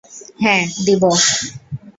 হ্যাঁ, দিবো।